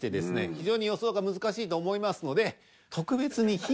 非常に予想が難しいと思いますので。